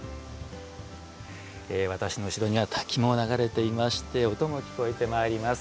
私の後ろには滝も流れておりまして音も聞こえてまいります。